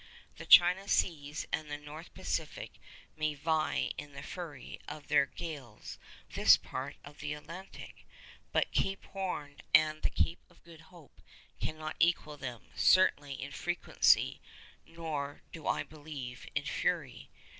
The China seas and the North Pacific may vie in the fury of their gales with this part of the Atlantic, but Cape Horn and the Cape of Good Hope cannot equal them, certainly in frequency, nor do I believe, in fury.